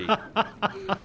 アハハハハ！